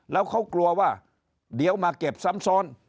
แล้วเขากลัวว่าเดี๋ยวมาเก็บซ้ำซ้อน